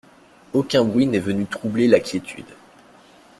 Aucun bruit n’est venu troubler la quiétude.